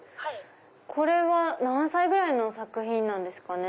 これは何歳ぐらいの作品なんですかね？